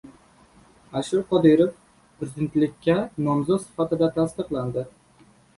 Alisher Qodirov prezidentlikka nomzod sifatida tasdiqlandi